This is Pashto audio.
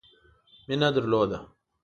مینه درلوده.